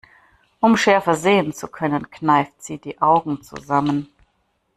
Um schärfer sehen zu können, kneift sie die Augen zusammen.